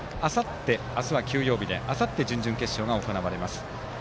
明日は休養日であさって準々決勝が行われます。